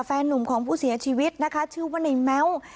แฟนนุ่มของผู้เสียชีวิตนะคะชื่อว่าในแม้ว